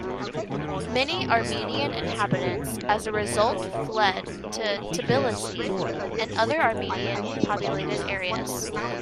Many Armenian inhabitants as a result fled to Tbilisi and other Armenian populated areas.